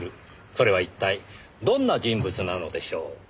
それは一体どんな人物なのでしょう？